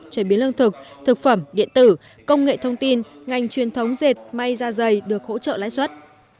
chế biến lương thực thực phẩm điện tử công nghệ thông tin ngành truyền thống dệt may da dày được hỗ trợ lãi suất